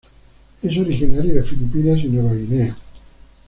Es originario de Filipinas y Nueva Guinea.